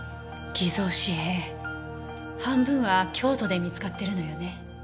偽造紙幣半分は京都で見つかってるのよね。